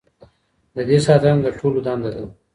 د دې ساتنه د ټولو دنده ده.